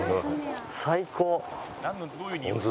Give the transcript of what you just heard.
最高。